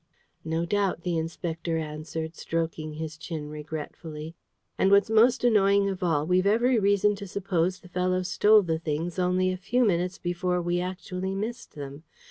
"No doubt," the Inspector answered, stroking his chin regretfully. "And what's most annoying of all, we've every reason to suppose the fellow stole the things only a few minutes before we actually missed them.